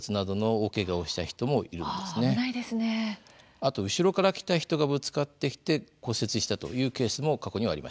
あと後ろから来た人がぶつかってきて骨折したというケースも過去にはありました。